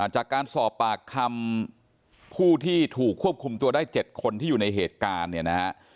จากการสอบปากคำผู้ที่ถูกควบคุมตัวได้๗คนที่อยู่ในเหตุการณ์เนี่ยนะฮะ